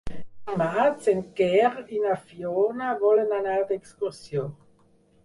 Dimarts en Quer i na Fiona volen anar d'excursió.